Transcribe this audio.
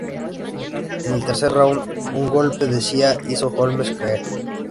En el tercer round, un golpe de Cía hizo Holmes caer.